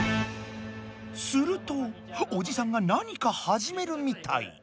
するとおじさんが何かはじめるみたい。